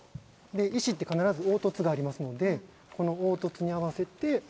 石って必ず凹凸がありますのでこの凹凸に合わせて。